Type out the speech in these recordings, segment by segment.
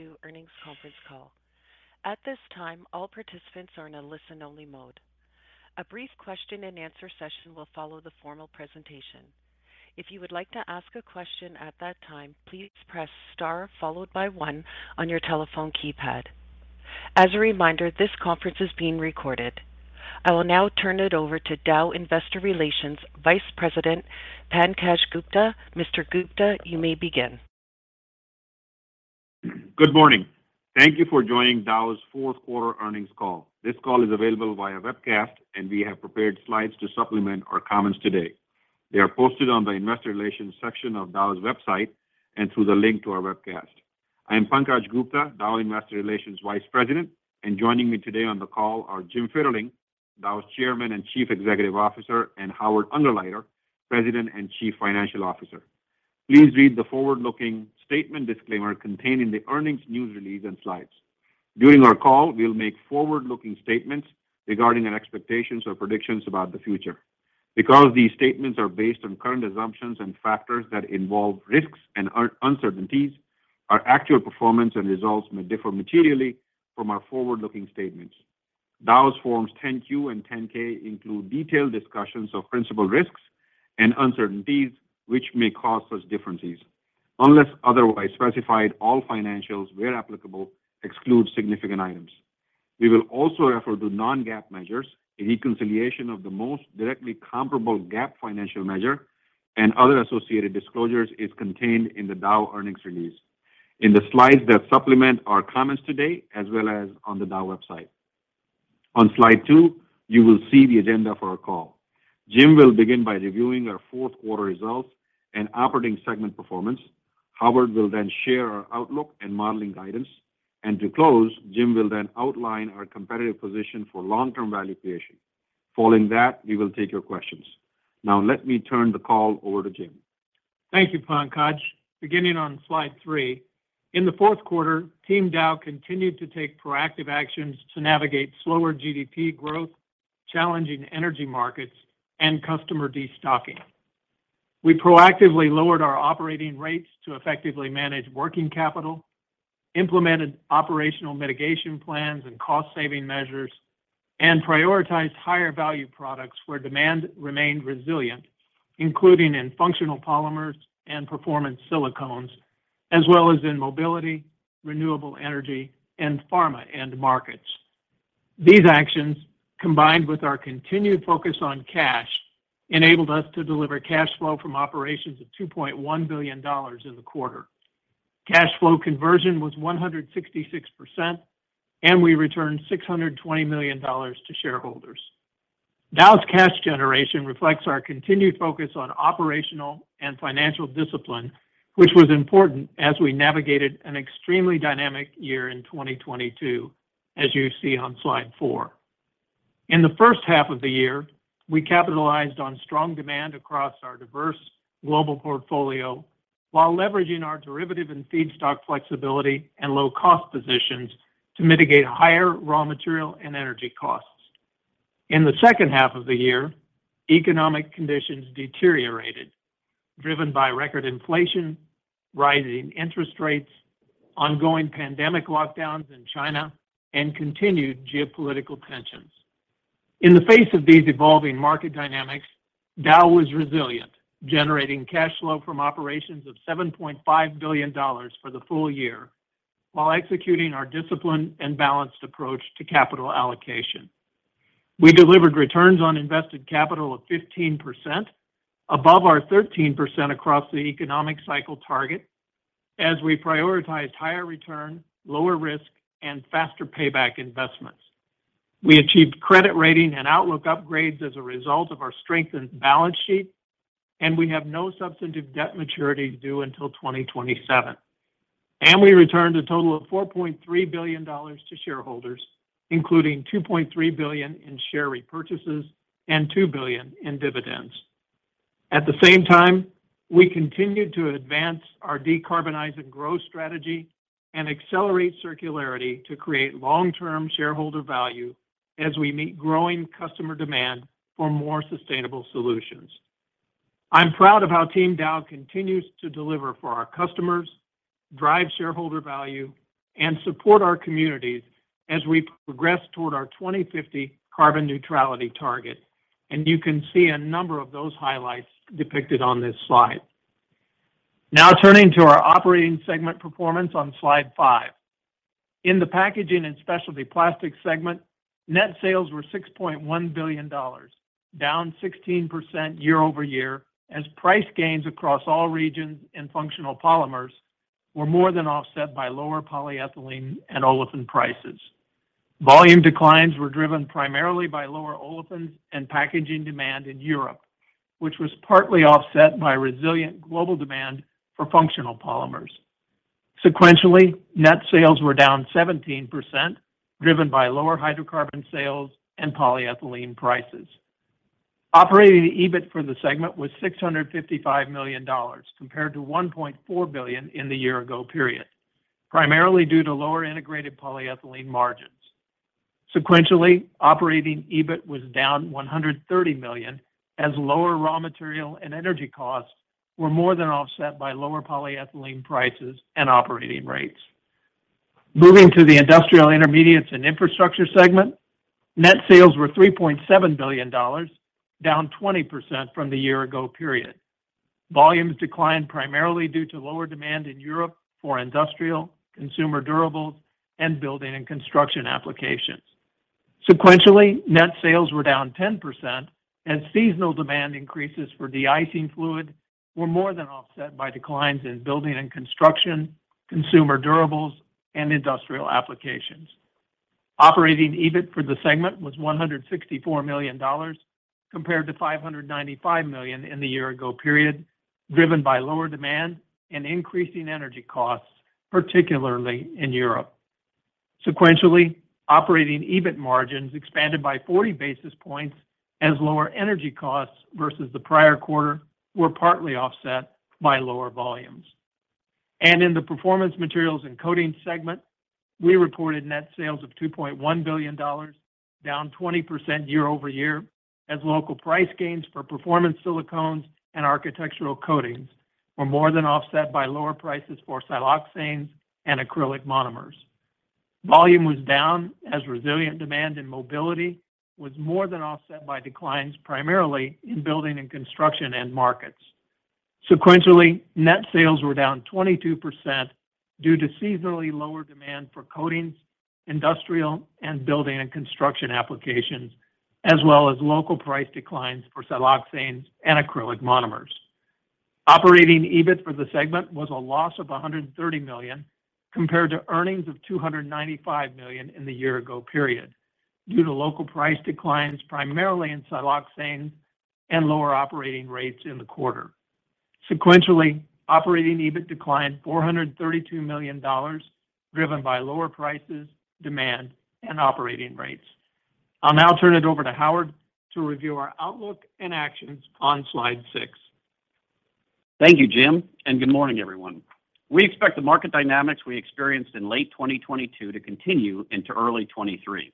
Q2 earnings conference call. At this time, all participants are in a listen-only mode. A brief question-and-answer session will follow the formal presentation. If you would like to ask a question at that time, please press star followed by one on your telephone keypad. As a reminder, this conference is being recorded. I will now turn it over to Dow Investor Relations Vice President, Pankaj Gupta. Mr. Gupta, you may begin. Good morning. Thank you for joining Dow's fourth quarter earnings call. This call is available via webcast, and we have prepared slides to supplement our comments today. They are posted on the investor relations section of Dow's website and through the link to our webcast. I am Pankaj Gupta, Dow Investor Relations Vice President. Joining me today on the call are Jim Fitterling, Dow's Chairman and Chief Executive Officer, and Howard Ungerleider, President and Chief Financial Officer. Please read the forward-looking statement disclaimer contained in the earnings news release and slides. During our call, we'll make forward-looking statements regarding our expectations or predictions about the future. Because these statements are based on current assumptions and factors that involve risks and uncertainties, our actual performance and results may differ materially from our forward-looking statements. Dow's Form 10-Q and Form 10-K include detailed discussions of principal risks and uncertainties, which may cause such differences. Unless otherwise specified, all financials, where applicable, exclude significant items. We will also refer to Non-GAAP measures, a reconciliation of the most directly comparable GAAP financial measure, and other associated disclosures is contained in the Dow earnings release. In the slides that supplement our comments today, as well as on the Dow website. On slide two, you will see the agenda for our call. Jim will begin by reviewing our fourth quarter results and operating segment performance. Howard will share our outlook and modeling guidance. To close, Jim will outline our competitive position for long-term value creation. Following that, we will take your questions. Let me turn the call over to Jim. Thank you, Pankaj. Beginning on slide three, in the fourth quarter, Team Dow continued to take proactive actions to navigate slower GDP growth, challenging energy markets, and customer destocking. We proactively lowered our operating rates to effectively manage working capital, implemented operational mitigation plans and cost-saving measures, and prioritized higher value products where demand remained resilient, including in Functional Polymers and Performance Silicones, as well as in mobility, renewable energy, and pharma end markets. These actions, combined with our continued focus on cash, enabled us to deliver cash flow from operations of $2.1 billion in the quarter. Cash flow conversion was 166%, and we returned $620 million to shareholders. Dow's cash generation reflects our continued focus on operational and financial discipline, which was important as we navigated an extremely dynamic year in 2022, as you see on slide four. In the first half of the year, we capitalized on strong demand across our diverse global portfolio while leveraging our derivative and feedstock flexibility and low-cost positions to mitigate higher raw material and energy costs. In the second half of the year, economic conditions deteriorated, driven by record inflation, rising interest rates, ongoing pandemic lockdowns in China, and continued geopolitical tensions. In the face of these evolving market dynamics, Dow was resilient, generating cash flow from operations of $7.5 billion for the full year while executing our disciplined and balanced approach to capital allocation. We delivered returns on invested capital of 15%, above our 13% across the economic cycle target as we prioritized higher return, lower risk, and faster payback investments. We achieved credit rating and outlook upgrades as a result of our strengthened balance sheet, we have no substantive debt maturity due until 2027. We returned a total of $4.3 billion to shareholders, including $2.3 billion in share repurchases and $2 billion in dividends. At the same time, we continued to advance our decarbonize and growth strategy and accelerate circularity to create long-term shareholder value as we meet growing customer demand for more sustainable solutions. I'm proud of how Team Dow continues to deliver for our customers, drive shareholder value, and support our communities as we progress toward our 2050 carbon neutrality target. You can see a number of those highlights depicted on this slide. Now turning to our operating segment performance on slide five. In the Packaging & Specialty Plastics segment, net sales were $6.1 billion, down 16% year-over-year, as price gains across all regions and Functional Polymers were more than offset by lower Polyethylene and olefin prices. Volume declines were driven primarily by lower olefins and packaging demand in Europe, which was partly offset by resilient global demand for Functional Polymers. Sequentially, net sales were down 17%, driven by lower hydrocarbon sales and Polyethylene prices. Operating EBIT for the segment was $655 million, compared to $1.4 billion in the year ago period, primarily due to lower integrated polyethylene margins. Sequentially, operating EBIT was down $130 million as lower raw material and energy costs were more than offset by lower polyethylene prices and operating rates. Moving to the Industrial Intermediates and Infrastructure segment, net sales were $3.7 billion, down 20% from the year ago period. Volumes declined primarily due to lower demand in Europe for industrial, consumer durables, and building and construction applications. Sequentially, net sales were down 10% as seasonal demand increases for de-icing fluid were more than offset by declines in building and construction, consumer durables, and industrial applications. Operating EBIT for the segment was $164 million compared to $595 million in the year ago period, driven by lower demand and increasing energy costs, particularly in Europe. Sequentially, operating EBIT margins expanded by 40 basis points as lower energy costs versus the prior quarter were partly offset by lower volumes. In the Performance Materials & Coatings segment, we reported net sales of $2.1 billion, down 20% year-over-year as local price gains for Performance Silicones and Architectural Coatings were more than offset by lower prices for siloxanes and Acrylic Monomers. Volume was down as resilient demand in mobility was more than offset by declines primarily in building and construction end markets. Sequentially, net sales were down 22% due to seasonally lower demand for coatings, industrial and building and construction applications, as well as local price declines for siloxanes and Acrylic Monomers. Operating EBIT for the segment was a loss of $130 million compared to earnings of $295 million in the year ago period due to local price declines primarily in siloxanes and lower operating rates in the quarter. Sequentially, operating EBIT declined $432 million driven by lower prices, demand, and operating rates. I'll now turn it over to Howard to review our outlook and actions on slide six. Thank you, Jim, and good morning, everyone. We expect the market dynamics we experienced in late 2022 to continue into early 2023.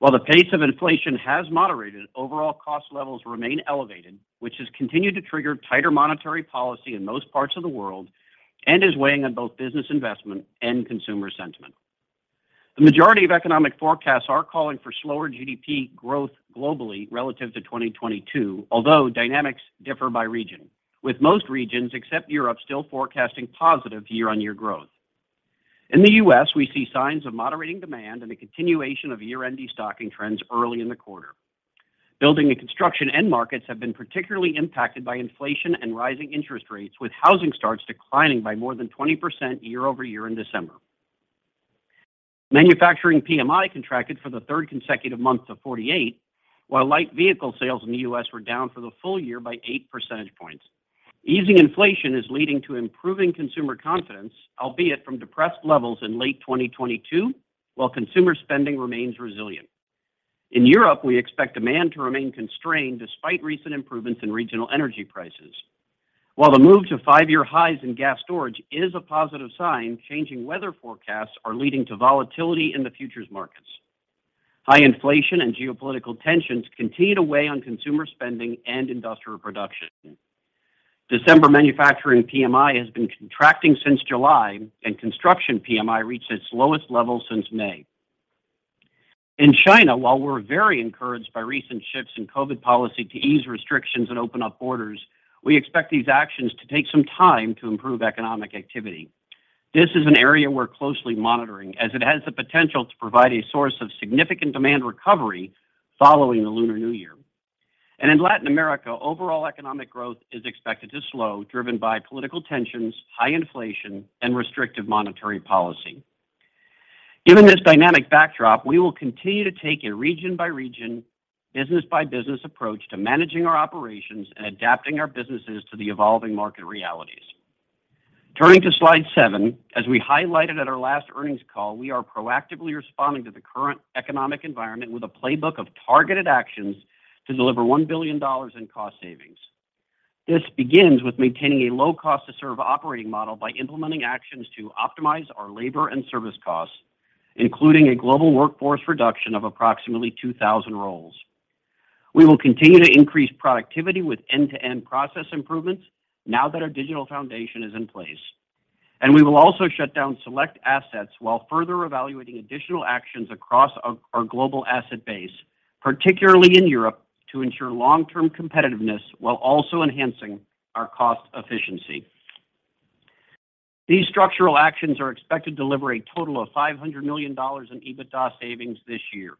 While the pace of inflation has moderated, overall cost levels remain elevated, which has continued to trigger tighter monetary policy in most parts of the world and is weighing on both business investment and consumer sentiment. The majority of economic forecasts are calling for slower GDP growth globally relative to 2022, although dynamics differ by region. With most regions, except Europe, still forecasting positive year-over-year growth. In the U.S., we see signs of moderating demand and a continuation of year-end destocking trends early in the quarter. Building and construction end markets have been particularly impacted by inflation and rising interest rates, with housing starts declining by more than 20% year-over-year in December. Manufacturing PMI contracted for the third consecutive month to 48%, while light vehicle sales in the U.S. were down for the full year by 8 percentage points. Easing inflation is leading to improving consumer confidence, albeit from depressed levels in late 2022, while consumer spending remains resilient. In Europe, we expect demand to remain constrained despite recent improvements in regional energy prices. While the move to five-year highs in gas storage is a positive sign, changing weather forecasts are leading to volatility in the futures markets. High inflation and geopolitical tensions continue to weigh on consumer spending and industrial production. December manufacturing PMI has been contracting since July. Construction PMI reached its lowest level since May. In China, while we're very encouraged by recent shifts in COVID policy to ease restrictions and open up borders, we expect these actions to take some time to improve economic activity. This is an area we're closely monitoring as it has the potential to provide a source of significant demand recovery following the Lunar New Year. In Latin America, overall economic growth is expected to slow, driven by political tensions, high inflation, and restrictive monetary policy. Given this dynamic backdrop, we will continue to take a region-by-region, business-by-business approach to managing our operations and adapting our businesses to the evolving market realities. Turning to slide seven, as we highlighted at our last earnings call, we are proactively responding to the current economic environment with a playbook of targeted actions to deliver $1 billion in cost savings. This begins with maintaining a low cost to serve operating model by implementing actions to optimize our labor and service costs, including a global workforce reduction of approximately 2,000 roles. We will continue to increase productivity with end-to-end process improvements now that our digital foundation is in place. We will also shut down select assets while further evaluating additional actions across our global asset base, particularly in Europe, to ensure long-term competitiveness while also enhancing our cost efficiency. These structural actions are expected to deliver a total of $500 million in EBITDA savings this year.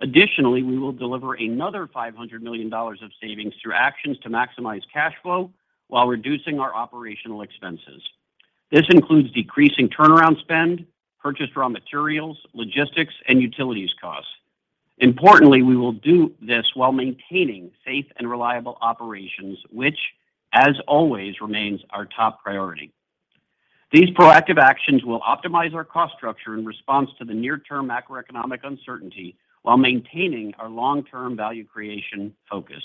Additionally, we will deliver another $500 million of savings through actions to maximize cash flow while reducing our operational expenses. This includes decreasing turnaround spend, purchased raw materials, logistics, and utilities costs. Importantly, we will do this while maintaining safe and reliable operations, which as always remains our top priority. These proactive actions will optimize our cost structure in response to the near term macroeconomic uncertainty while maintaining our long-term value creation focus.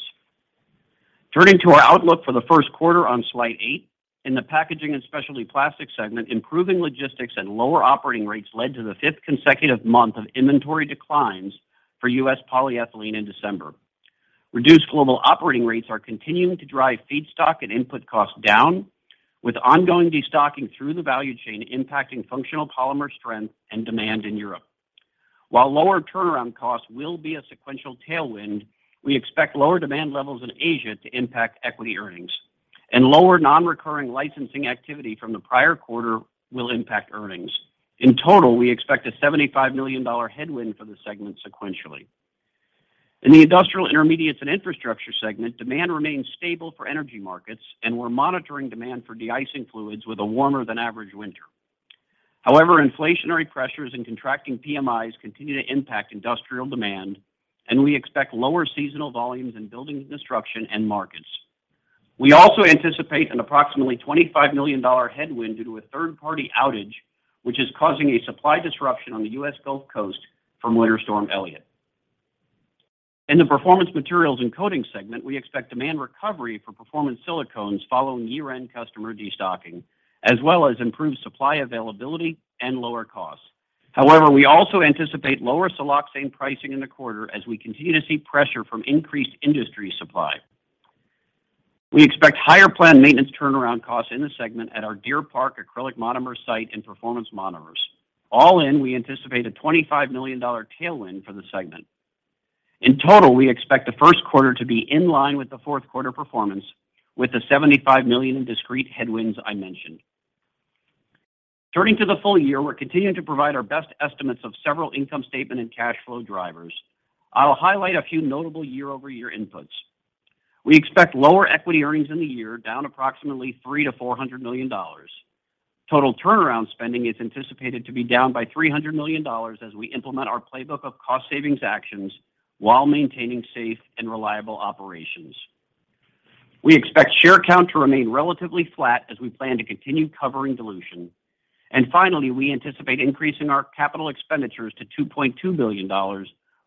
Turning to our outlook for the first quarter on slide eight. In the Packaging & Specialty Plastics segment, improving logistics and lower operating rates led to the fifth consecutive month of inventory declines for U.S. polyethylene in December. Reduced global operating rates are continuing to drive feedstock and input costs down, with ongoing destocking through the value chain impacting functional polymer strength and demand in Europe. While lower turnaround costs will be a sequential tailwind, we expect lower demand levels in Asia to impact equity earnings, and lower non-recurring licensing activity from the prior quarter will impact earnings. In total, we expect a $75 million headwind for the segment sequentially. In the Industrial Intermediates & Infrastructure segment, demand remains stable for energy markets, and we're monitoring demand for de-icing fluids with a warmer than average winter. Inflationary pressures and contracting PMIs continue to impact industrial demand, and we expect lower seasonal volumes in building construction end markets. We also anticipate an approximately $25 million headwind due to a third-party outage, which is causing a supply disruption on the U.S. Gulf Coast from Winter Storm Elliott. In the Performance Materials & Coatings segment, we expect demand recovery for Performance Silicones following year-end customer destocking, as well as improved supply availability and lower costs. We also anticipate lower siloxane pricing in the quarter as we continue to see pressure from increased industry supply. We expect higher planned maintenance turnaround costs in the segment at our Deer Park Acrylic Monomer site and Performance Monomers. All in, we anticipate a $25 million tailwind for the segment. In total, we expect the first quarter to be in line with the fourth quarter performance with the $75 million in discrete headwinds I mentioned. Turning to the full year, we're continuing to provide our best estimates of several income statement and cash flow drivers. I'll highlight a few notable year-over-year inputs. We expect lower equity earnings in the year, down approximately $300 million-$400 million. Total turnaround spending is anticipated to be down by $300 million as we implement our playbook of cost savings actions while maintaining safe and reliable operations. We expect share count to remain relatively flat as we plan to continue covering dilution. Finally, we anticipate increasing our capital expenditures to $2.2 billion,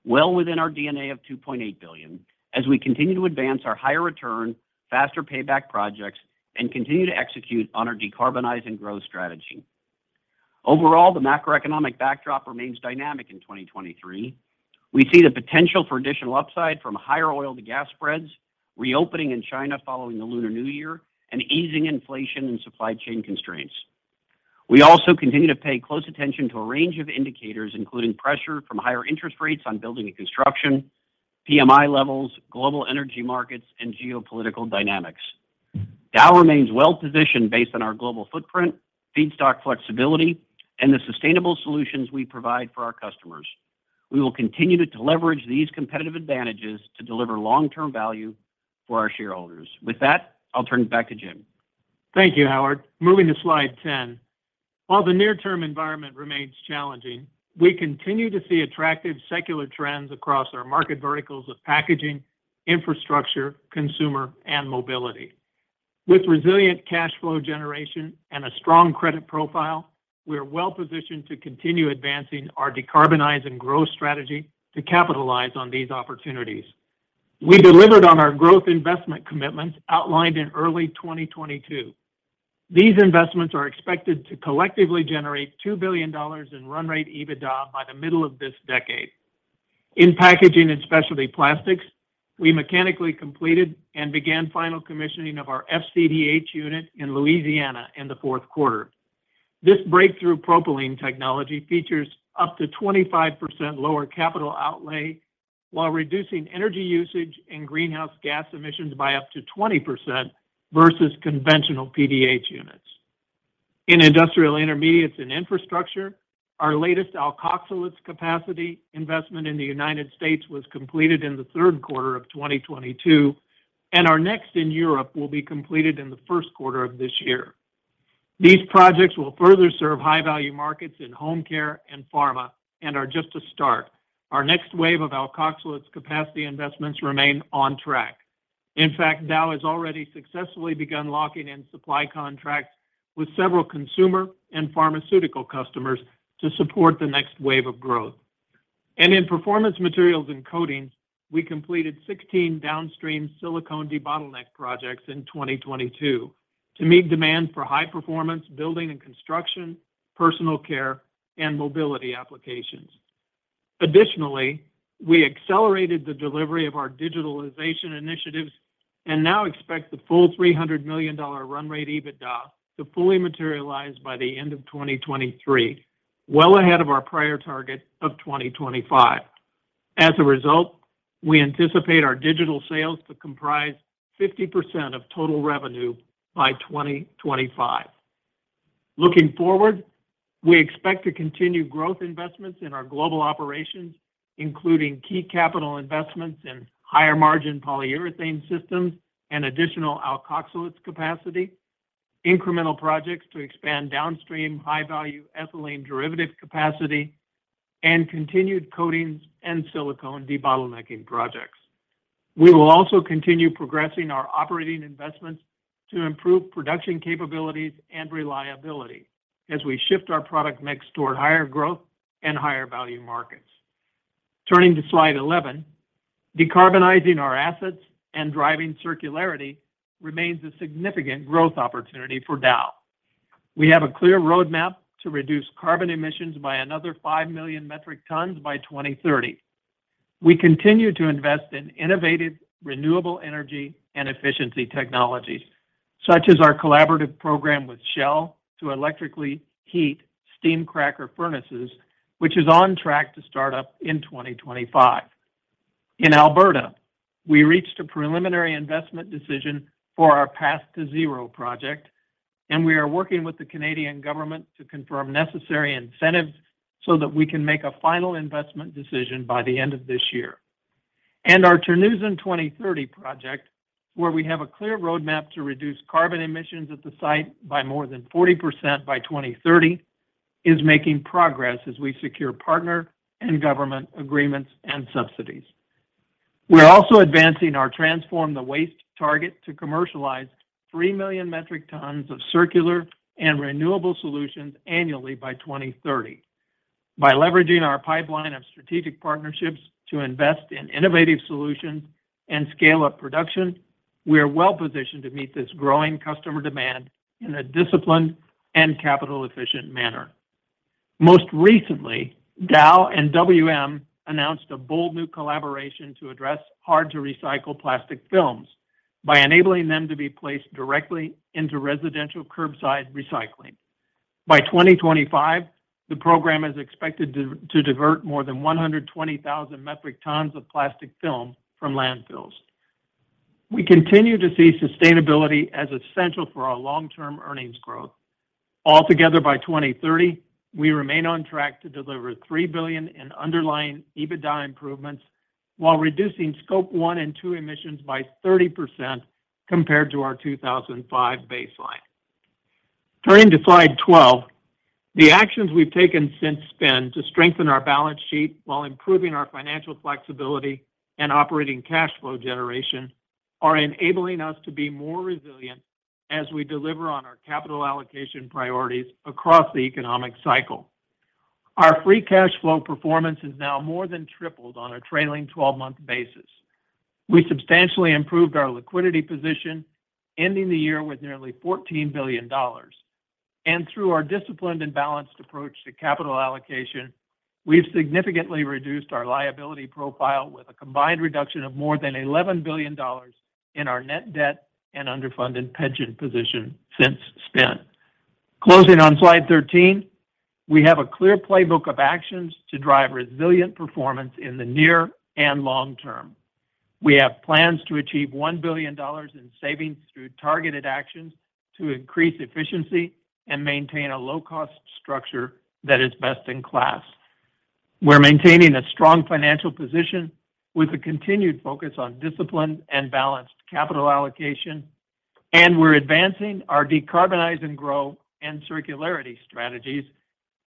well within our DNA of $2.8 billion, as we continue to advance our higher return, faster payback projects and continue to execute on our decarbonize and growth strategy. Overall, the macroeconomic backdrop remains dynamic in 2023. We see the potential for additional upside from higher oil to gas spreads, reopening in China following the Lunar New Year, and easing inflation and supply chain constraints. We also continue to pay close attention to a range of indicators, including pressure from higher interest rates on building and construction, PMI levels, global energy markets, and geopolitical dynamics. Dow remains well-positioned based on our global footprint, feedstock flexibility, and the sustainable solutions we provide for our customers. We will continue to leverage these competitive advantages to deliver long-term value for our shareholders. With that, I'll turn it back to Jim. Thank you, Howard. Moving to Slide 10. While the near-term environment remains challenging, we continue to see attractive secular trends across our market verticals of packaging, infrastructure, consumer, and mobility. With resilient cash flow generation and a strong credit profile, we are well-positioned to continue advancing our decarbonize and growth strategy to capitalize on these opportunities. We delivered on our growth investment commitments outlined in early 2022. These investments are expected to collectively generate $2 billion in run rate EBITDA by the middle of this decade. In Packaging & Specialty Plastics, we mechanically completed and began final commissioning of our FCDH unit in Louisiana in the fourth quarter. This breakthrough propylene technology features up to 25% lower capital outlay while reducing energy usage and greenhouse gas emissions by up to 20% versus conventional PDH units. In Industrial Intermediates & Infrastructure, our latest alkoxylates capacity investment in the United States was completed in the third quarter of 2022, and our next in Europe will be completed in the first quarter of this year. These projects will further serve high-value markets in home care and pharma and are just a start. Our next wave of alkoxylates capacity investments remain on track. In fact, Dow has already successfully begun locking in supply contracts with several consumer and pharmaceutical customers to support the next wave of growth. In Performance Materials & Coatings, we completed 16 downstream silicone debottleneck projects in 2022 to meet demand for high-performance building and construction, personal care, and mobility applications. Additionally, we accelerated the delivery of our digitalization initiatives and now expect the full $300 million run rate EBITDA to fully materialize by the end of 2023, well ahead of our prior target of 2025. As a result, we anticipate our digital sales to comprise 50% of total revenue by 2025. Looking forward, we expect to continue growth investments in our global operations, including key capital investments in higher margin Polyurethane Systems and additional alkoxylates capacity, incremental projects to expand downstream high-value ethylene derivative capacity, and continued coatings and silicone debottlenecking projects. We will also continue progressing our operating investments to improve production capabilities and reliability as we shift our product mix toward higher growth and higher value markets. Turning to slide 11, decarbonizing our assets and driving circularity remains a significant growth opportunity for Dow. We have a clear roadmap to reduce carbon emissions by another 5 million metric tons by 2030. We continue to invest in innovative, renewable energy and efficiency technologies, such as our collaborative program with Shell to electrically heat steam cracker furnaces, which is on track to start up in 2025. In Alberta, we reached a preliminary investment decision for our Path2Zero project, we are working with the Canadian government to confirm necessary incentives so that we can make a final investment decision by the end of this year. Our Terneuzen 2030 project, where we have a clear roadmap to reduce carbon emissions at the site by more than 40% by 2030, is making progress as we secure partner and government agreements and subsidies. We're also advancing our Transform the Waste target to commercialize 3 million metric tons of circular and renewable solutions annually by 2030. By leveraging our pipeline of strategic partnerships to invest in innovative solutions and scale up production, we are well-positioned to meet this growing customer demand in a disciplined and capital efficient manner. Most recently, Dow and WM announced a bold new collaboration to address hard-to-recycle plastic films by enabling them to be placed directly into residential curbside recycling. By 2025, the program is expected to divert more than 120,000 metric tons of plastic film from landfills. We continue to see sustainability as essential for our long-term earnings growth. Altogether, by 2030, we remain on track to deliver $3 billion in underlying EBITDA improvements while reducing scope one and two emissions by 30% compared to our 2005 baseline. Turning to Slide 12, the actions we've taken since SPIN to strengthen our balance sheet while improving our financial flexibility and operating cash flow generation are enabling us to be more resilient as we deliver on our capital allocation priorities across the economic cycle. Our free cash flow performance is now more than tripled on a trailing 12-month basis. We substantially improved our liquidity position, ending the year with nearly $14 billion. Through our disciplined and balanced approach to capital allocation, we've significantly reduced our liability profile with a combined reduction of more than $11 billion in our net debt and underfunded pension position since SPIN. Closing on slide 13, we have a clear playbook of actions to drive resilient performance in the near and long term. We have plans to achieve $1 billion in savings through targeted actions to increase efficiency and maintain a low-cost structure that is best in class. We're maintaining a strong financial position with a continued focus on disciplined and balanced capital allocation, and we're advancing our decarbonize and grow and circularity strategies,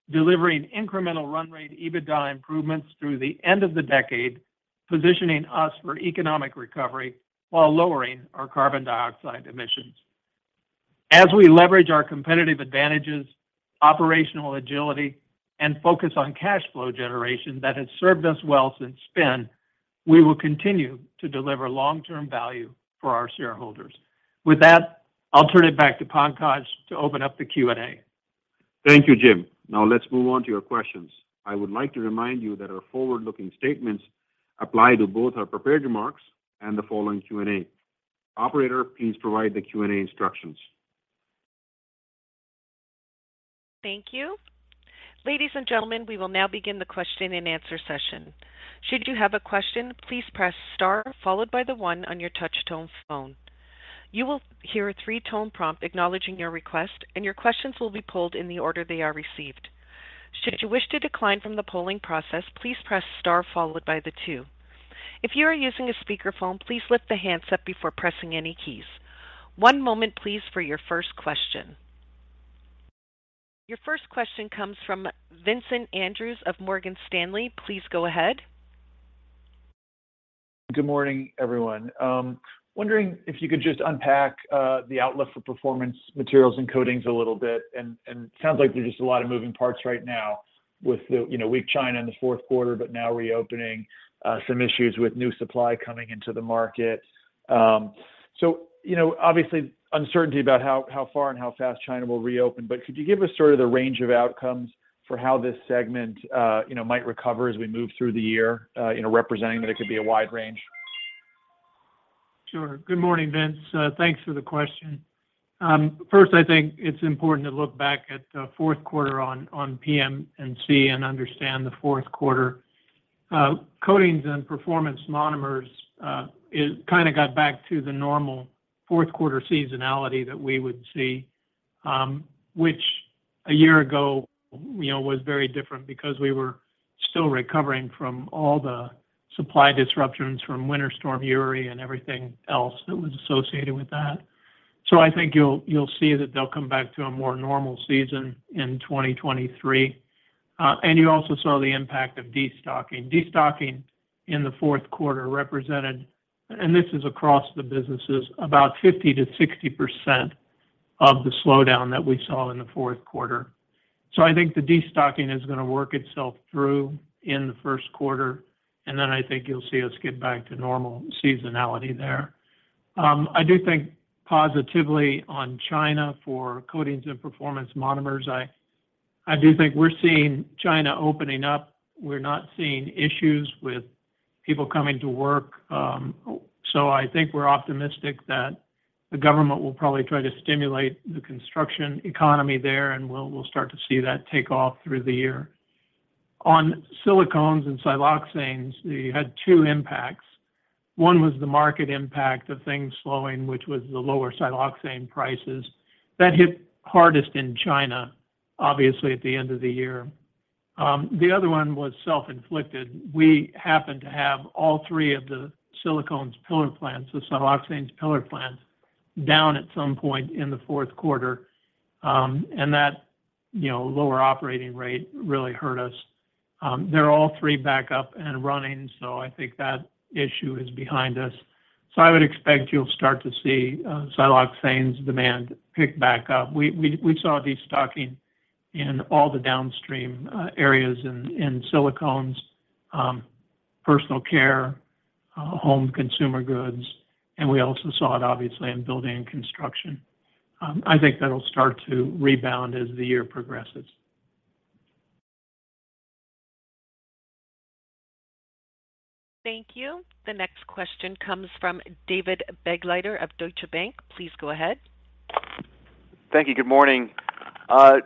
delivering incremental run rate EBITDA improvements through the end of the decade, positioning us for economic recovery while lowering our carbon dioxide emissions. As we leverage our competitive advantages, operational agility, and focus on cash flow generation that has served us well since SPIN, we will continue to deliver long-term value for our shareholders. With that, I'll turn it back to Pankaj to open up the Q&A. Thank you, Jim. Let's move on to your questions. I would like to remind you that our forward-looking statements apply to both our prepared remarks and the following Q&A. Operator, please provide the Q&A instructions. Thank you. Ladies and gentlemen, we will now begin the question and answer session. Should you have a question, please press star followed by the one on your touch-tone phone. You will hear a three-tone prompt acknowledging your request, and your questions will be pulled in the order they are received. Should you wish to decline from the polling process, please press star followed by the two. If you are using a speakerphone, please lift the handset before pressing any keys. One moment, please, for your first question. Your first question comes from Vincent Andrews of Morgan Stanley. Please go ahead. Good morning, everyone. Wondering if you could just unpack the outlook for Performance Materials & Coatings a little bit. It sounds like there's just a lot of moving parts right now with the, you know, weak China in the fourth quarter, but now reopening, some issues with new supply coming into the market. You know, obviously uncertainty about how far and how fast China will reopen, but could you give us sort of the range of outcomes for how this segment, you know, might recover as we move through the year, you know, representing that it could be a wide range? Sure. Good morning, Vince. Thanks for the question. First, I think it's important to look back at fourth quarter on PM&C and understand the fourth quarter. Coatings and Performance Monomers, it kinda got back to the normal fourth quarter seasonality that we would see, which a year ago, you know, was very different because we were still recovering from all the supply disruptions from Winter Storm Uri and everything else that was associated with that. I think you'll see that they'll come back to a more normal season in 2023. You also saw the impact of destocking. Destocking in the fourth quarter represented, and this is across the businesses, about 50%-60% of the slowdown that we saw in the fourth quarter. I think the destocking is going to work itself through in the first quarter, and then I think you'll see us get back to normal seasonality there. I do think positively on China for coatings and Performance Monomers. I do think we're seeing China opening up. We're not seeing issues with people coming to work. I think we're optimistic that the government will probably try to stimulate the construction economy there, and we'll start to see that take off through the year. On silicones and siloxanes, you had two impacts. One was the market impact of things slowing, which was the lower siloxane prices. That hit hardest in China, obviously, at the end of the year. The other one was self-inflicted. We happened to have all three of the silicone's pillar plants, the siloxane's pillar plants down at some point in the fourth quarter. That, you know, lower operating rate really hurt us. They're all three back up and running, so I think that issue is behind us. I would expect you'll start to see siloxanes demand pick back up. We saw destocking in all the downstream areas in silicones, personal care, home consumer goods, and we also saw it obviously in building and construction. I think that'll start to rebound as the year progresses. Thank you. The next question comes from David Begleiter of Deutsche Bank. Please go ahead. Thank you. Good morning.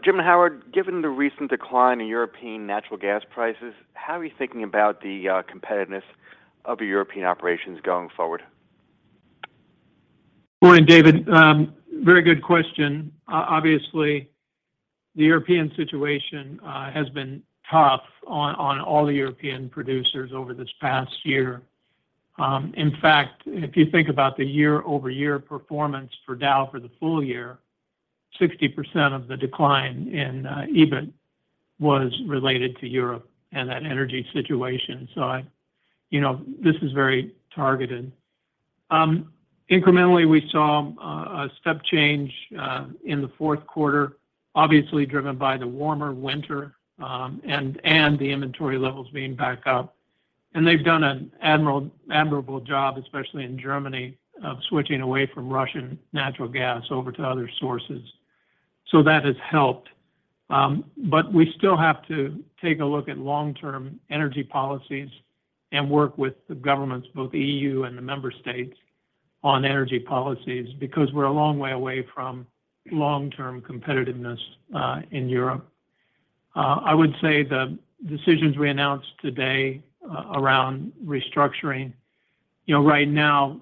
Jim and Howard, given the recent decline in European natural gas prices, how are you thinking about the competitiveness of your European operations going forward? Morning, David. Very good question. Obviously, the European situation has been tough on all the European producers over this past year. In fact, if you think about the year-over-year performance for Dow for the full year, 60% of the decline in EBIT was related to Europe and that energy situation. I, you know, this is very targeted. Incrementally, we saw a step change in the fourth quarter, obviously driven by the warmer winter, and the inventory levels being back up. They've done an admirable job, especially in Germany, of switching away from Russian natural gas over to other sources. That has helped. We still have to take a look at long-term energy policies and work with the governments, both EU and the member states, on energy policies, because we're a long way away from long-term competitiveness in Europe. I would say the decisions we announced today around restructuring, you know, right now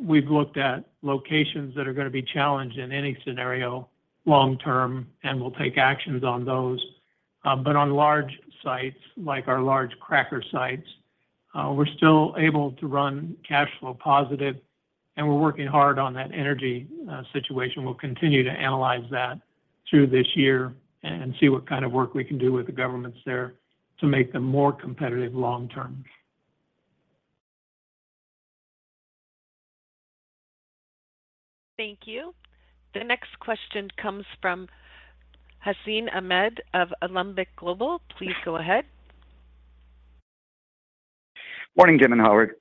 we've looked at locations that are gonna be challenged in any scenario long term, and we'll take actions on those. On large sites, like our large cracker sites, we're still able to run cash flow positive, and we're working hard on that energy situation. We'll continue to analyze that through this year and see what kind of work we can do with the governments there to make them more competitive long term. Thank you. The next question comes from Hassan Ahmed of Alembic Global. Please go ahead. Morning, Jim and Howard.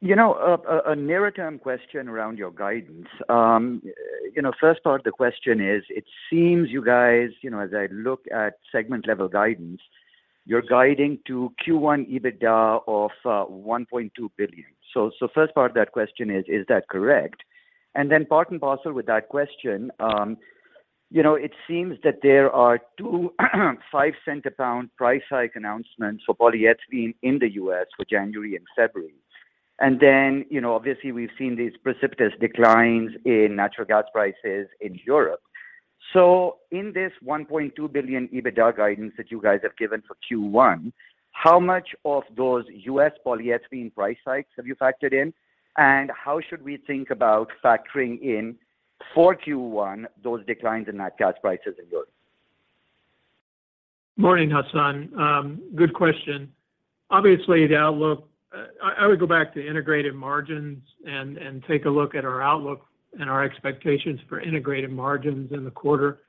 You know, a near-term question around your guidance. You know, first part of the question is that correct? Part and parcel with that question, you know, it seems that there are $.2.05 pound price hike announcements for polyethylene in the U.S. for January and February. You know, obviously, we've seen these precipitous declines in natural gas prices in Europe. In this $1.2 billion EBITDA guidance that you guys have given for Q1, how much of those U.S. polyethylene price hikes have you factored in, and how should we think about factoring in for Q1 those declines in natural gas prices in Europe? Morning, Hassan. Good question. Obviously, I would go back to integrated margins and take a look at our outlook and our expectations for integrated margins in the quarter.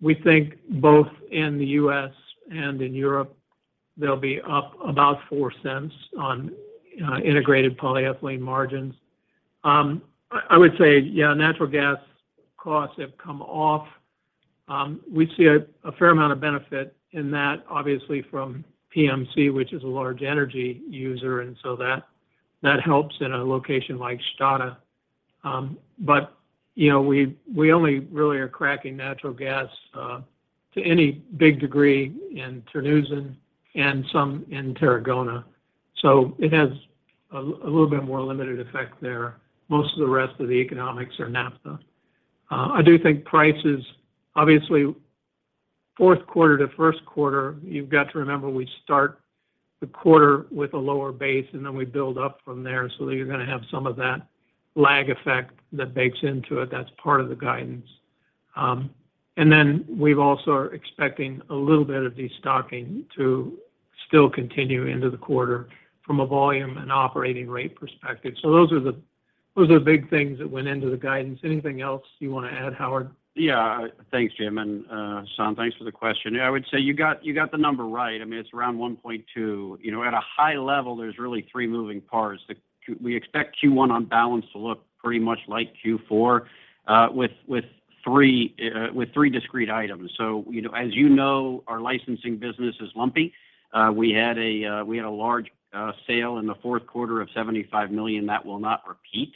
We think both in the U.S. and in Europe, they'll be up about $0.04 on integrated Polyethylene margins. I would say, yeah, natural gas costs have come off. We see a fair amount of benefit in that, obviously from PM&C, which is a large energy user, that helps in a location like Stade. You know, we only really are cracking natural gas to any big degree in Terneuzen and some in Tarragona. It has a little bit more limited effect there. Most of the rest of the economics are naphtha. I do think prices, obviously, fourth quarter to first quarter, you've got to remember we start the quarter with a lower base, and then we build up from there so that you're gonna have some of that lag effect that bakes into it. That's part of the guidance. We've also are expecting a little bit of destocking to still continue into the quarter from a volume and operating rate perspective. Those are the big things that went into the guidance. Anything else you wanna add, Howard? Thanks Jim, and Sean, thanks for the question. I would say you got the number right. I mean, it's around 1.2. You know, at a high level, there's really three moving parts. We expect Q1 on balance to look pretty much like Q4, with three discrete items. You know, as you know, our licensing business is lumpy. We had a large sale in the fourth quarter of $75 million that will not repeat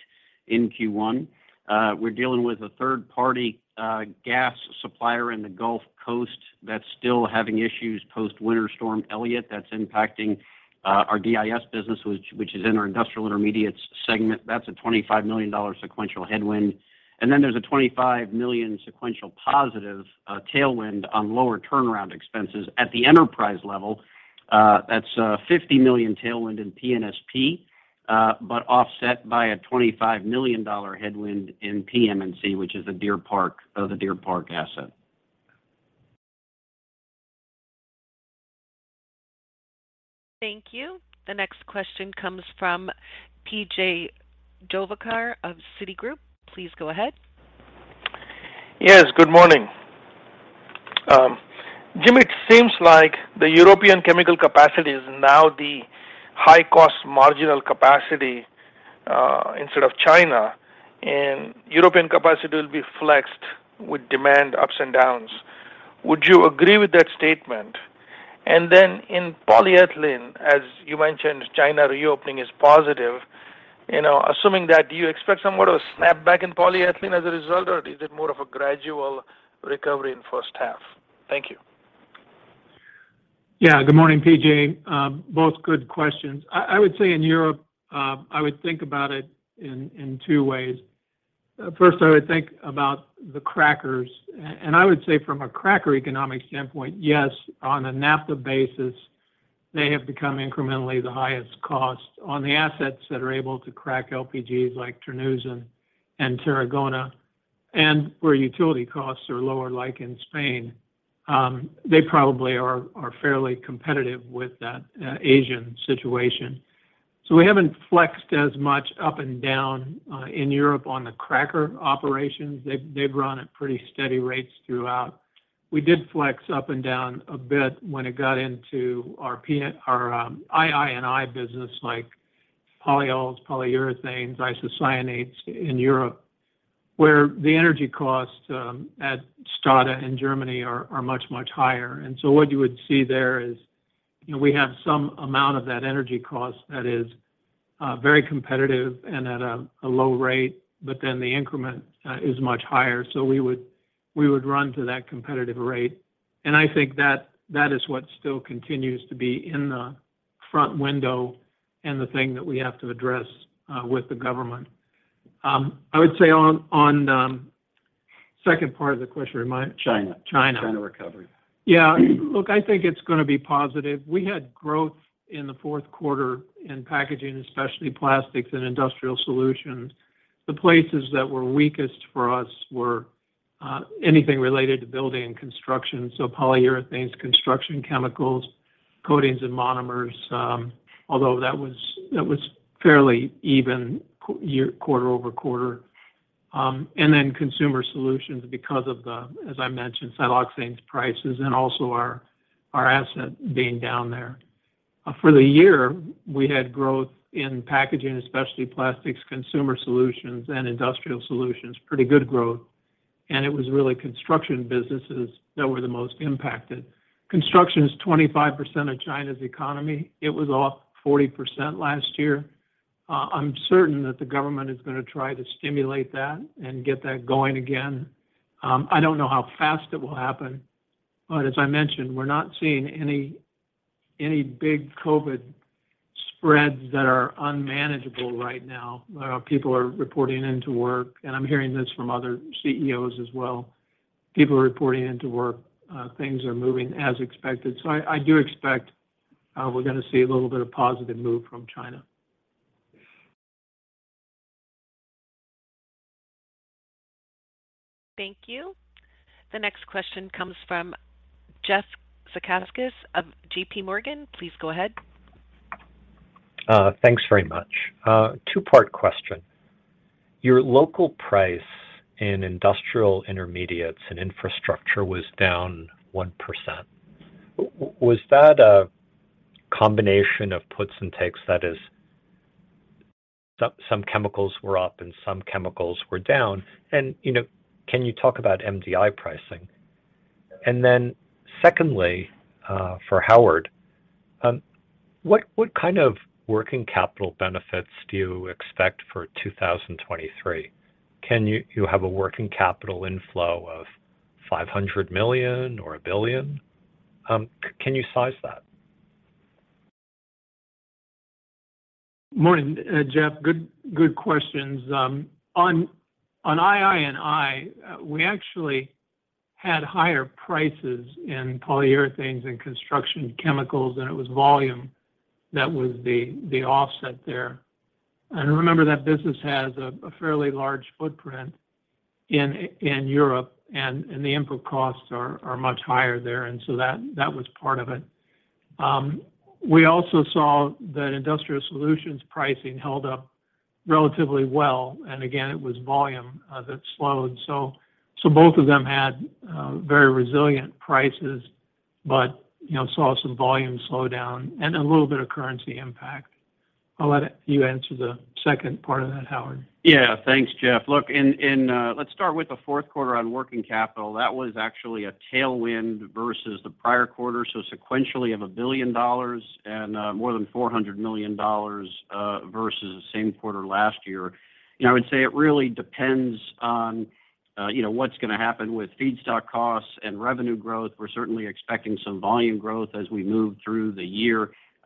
in Q1. We're dealing with a third-party gas supplier in the Gulf Coast that's still having issues post Winter Storm Elliott. That's impacting our DIS business, which is in our Industrial Intermediates segment. That's a $25 million sequential headwind. There's a $25 million sequential positive tailwind on lower turnaround expenses. At the enterprise level, that's a $50 million tailwind in PNSP, but offset by a $25 million headwind in PM&C, which is a Deer Park, the Deer Park asset. Thank you. The next question comes from P.J. Juvekar of Citigroup. Please go ahead. Yes, good morning. Jim, it seems like the European chemical capacity is now the high-cost marginal capacity, instead of China, and European capacity will be flexed with demand ups and downs. Would you agree with that statement? In polyethylene, as you mentioned, China reopening is positive. You know, assuming that, do you expect somewhat of a snapback in polyethylene as a result, or is it more of a gradual recovery in first half? Thank you. Good morning, P.J. Both good questions. I would say in Europe, I would think about it in two ways. First I would think about the crackers. And I would say from a cracker economic standpoint, yes, on a naphtha basis, they have become incrementally the highest cost on the assets that are able to crack LPGs like Terneuzen and Tarragona, and where utility costs are lower, like in Spain, they probably are fairly competitive with that Asian situation. We haven't flexed as much up and down in Europe on the cracker operations. They've run at pretty steady rates throughout. We did flex up and down a bit when it got into our P... our II and I business like Polyols, Polyurethanes, Isocyanates in Europe, where the energy costs at Stade in Germany are much, much higher. What you would see there is, you know, we have some amount of that energy cost that is very competitive and at a low rate, but then the increment is much higher, so we would run to that competitive rate. I think that is what still continues to be in the front window and the thing that we have to address with the government. I would say on the second part of the question. China. China. China recovery. Look, I think it's gonna be positive. We had growth in the fourth quarter in Packaging, especially Plastics and Industrial Solutions. The places that were weakest for us were anything related to building and construction, so Polyurethanes, Construction Chemicals, coatings and monomers. Although that was fairly even quarter-over-quarter. Consumer solutions because of the, as I mentioned, siloxanes prices and also our asset being down there. For the year, we had growth in Packaging, especially Plastics, consumer solutions, and Industrial Solutions. Pretty good growth. It was really construction businesses that were the most impacted. Construction is 25% of China's economy. It was off 40% last year. I'm certain that the government is gonna try to stimulate that and get that going again. I don't know how fast it will happen, but as I mentioned, we're not seeing any big COVID spreads that are unmanageable right now. People are reporting into work, and I'm hearing this from other CEOs as well. People are reporting into work, things are moving as expected. I do expect, we're gonna see a little bit of positive move from China. Thank you. The next question comes from Jeffrey Zekauskas of JPMorgan. Please go ahead. Thanks very much. Two-part question. Your local price in Industrial Intermediates & Infrastructure was down 1%. Was that a combination of puts and takes that is some chemicals were up and some chemicals were down? You know, can you talk about MDI pricing? Then secondly, for Howard, what kind of working capital benefits do you expect for 2023? Can you have a working capital inflow of $500 million or $1 billion? Can you size that? Morning, Jeff. Good questions. On II and I, we actually had higher prices in Polyurethanes and Construction Chemicals, it was volume that was the offset there. Remember that business has a fairly large footprint in Europe and the input costs are much higher there. That was part of it. We also saw that Industrial Solutions pricing held up relatively well, again, it was volume that slowed. Both of them had very resilient prices but, you know, saw some volume slow down and a little bit of currency impact. I'll let you answer the second part of that, Howard. Yeah. Thanks, Jeff. Look, in, let's start with the fourth quarter on working capital. That was actually a tailwind versus the prior quarter, so sequentially of $1 billion and more than $400 million versus the same quarter last year. You know, I would say it really depends on, you know, what's gonna happen with feedstock costs and revenue growth. We're certainly expecting some volume growth as we move through the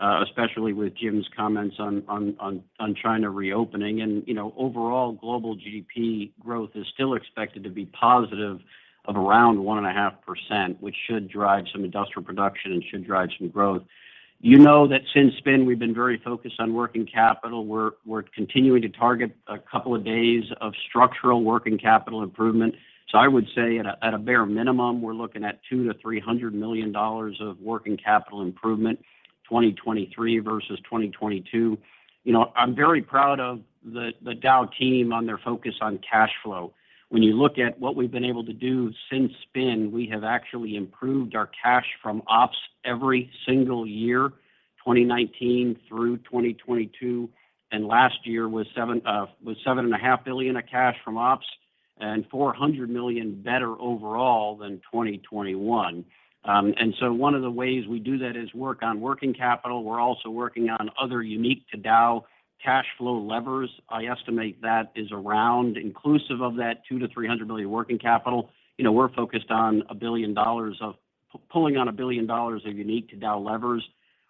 year, especially with Jim's comments on China reopening. You know, overall, global GDP growth is still expected to be positive of around 1.5%, which should drive some industrial production and should drive some growth. You know that since SPIN, we've been very focused on working capital. We're continuing to target two days of structural working capital improvement. I would say at a bare minimum, we're looking at $200 million-$300 million of working capital improvement 2023 versus 2022. You know, I'm very proud of the Dow team on their focus on cash flow. When you look at what we've been able to do since SPIN, we have actually improved our cash from ops every single year, 2019 through 2022, and last year was $7.5 billion of cash from ops and $400 million better overall than 2021. And so one of the ways we do that is work on working capital. We're also working on other unique to Dow cash flow levers. I estimate that is around inclusive of that $200 million-$300 million working capital. You know, we're focused on $1 billion of pulling on $1 billion of unique to Dow levers.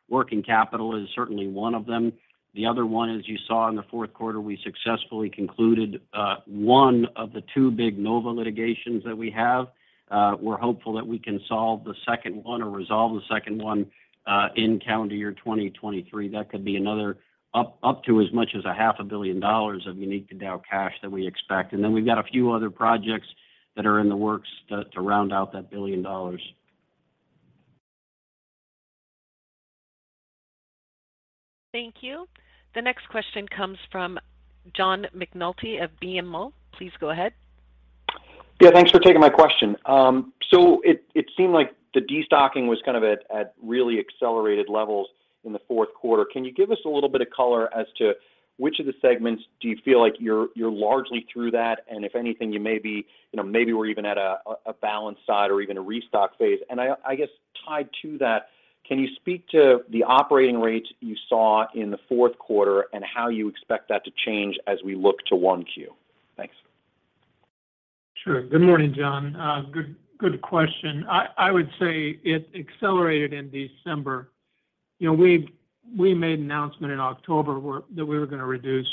Working capital is certainly one of them. The other one, as you saw in the fourth quarter, we successfully concluded one of the 2 big NOVA litigations that we have. We're hopeful that we can solve the second one or resolve the second one in calendar year 2023. That could be another up to as much as a half a billion dollars of unique to Dow cash that we expect. Then we've got a few other projects that are in the works to round out that $1 billion. Thank you. The next question comes from John McNulty of BMO Capital Markets Please go ahead. Yeah, thanks for taking my question. It seemed like the destocking was kind of at really accelerated levels in the fourth quarter. Can you give us a little bit of color as to which of the segments do you feel like you're largely through that, and if anything, you may be, you know, maybe we're even at a balanced side or even a restock phase? I guess tied to that, can you speak to the operating rates you saw in the fourth quarter and how you expect that to change as we look to 1Q? Thanks. Sure. Good morning, John. Good, good question. I would say it accelerated in December. You know, we made an announcement in October that we were gonna reduce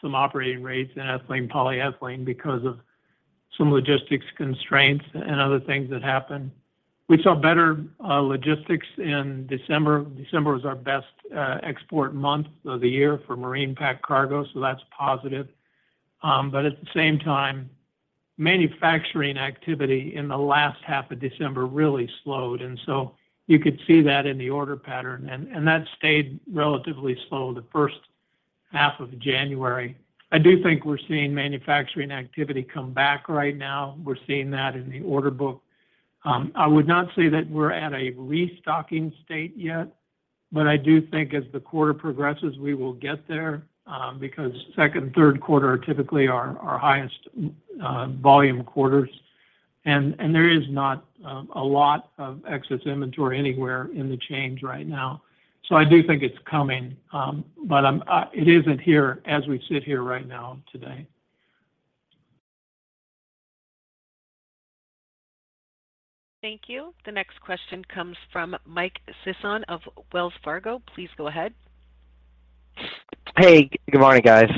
some operating rates in Ethylene Polyethylene because of some logistics constraints and other things that happened. We saw better logistics in December. December was our best export month of the year for marine packed cargo, so that's positive. At the same time, manufacturing activity in the last half of December really slowed, so you could see that in the order pattern. That stayed relatively slow the first half of January. I do think we're seeing manufacturing activity come back right now. We're seeing that in the order book. I would not say that we're at a restocking state yet, but I do think as the quarter progresses, we will get there, because second and third quarter are typically our highest volume quarters. There is not a lot of excess inventory anywhere in the change right now. I do think it's coming, but it isn't here as we sit here right now today. Thank you. The next question comes from Michael Sison of Wells Fargo. Please go ahead. Hey, good morning, guys.